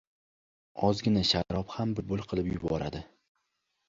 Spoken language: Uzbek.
• Ozgina sharob ham bulbul qilib yuboradi.